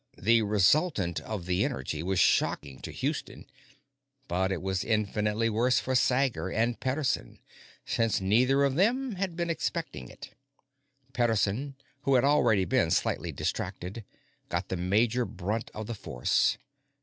The resultant of the energy was shocking to Houston, but it was infinitely worse for Sager and Pederson, since neither of them had been expecting it. Pederson, who had already been slightly distracted, got the major brunt of the force.